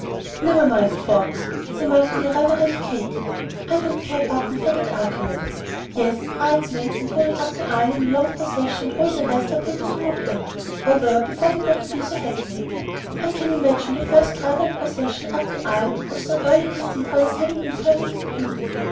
"Never mind folks," remarked the irreverent Katy. "I don't care a button for that argument. Yes; bridesmaids and going up the aisle in a long procession and all the rest are pretty to look at, or were before they got to be so hackneyed. I can imagine the first bridal procession up the aisle of some early cathedral as having been perfectly beautiful.